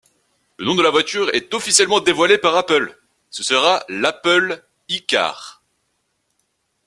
Le nom de la voiture est officiellement dévoilé par Apple, ce sera l'Apple iCar.